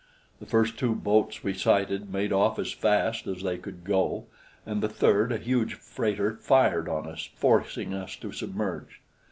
The first two boats we sighted made off as fast as they could go; and the third, a huge freighter, fired on us, forcing us to submerge.